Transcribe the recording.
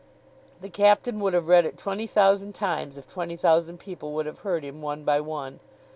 The Captain would have read it twenty thousand times, if twenty thousand people would have heard him, one by one.